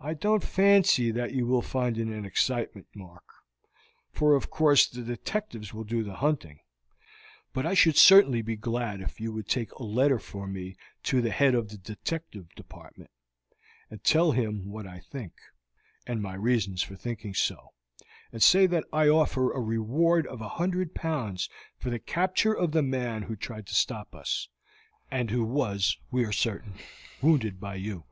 "I don't fancy that you will find it an excitement, Mark, for of course the detectives will do the hunting, but I should certainly be glad if you would take a letter for me to the head of the Detective Department, and tell him what I think, and my reasons for thinking so, and say that I offer a reward of a hundred pounds for the capture of the man who tried to stop us, and who was, we are certain, wounded by you.